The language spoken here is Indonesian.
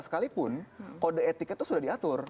sekalipun kode etiknya itu sudah diatur